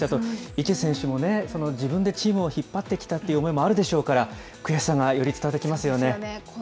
池選手もね、自分でチームを引っ張ってきたっていう思いもあるでしょうから、悔しさがより伝わってきますよね。